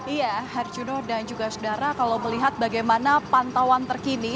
iya harjudo dan juga sudara kalau melihat bagaimana pantauan terkini